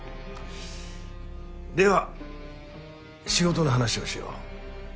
では仕事の話をしよう。